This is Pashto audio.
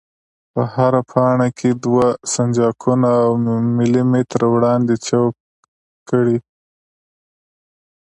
په هره پاڼه کې دوه سنجاقونه او ملي متره وړاندې چوګ کړئ.